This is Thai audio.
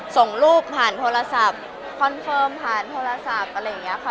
ส่งรูปผ่านโทรศัพท์คอนเฟิร์มผ่านโทรศัพท์อะไรอย่างนี้ค่ะ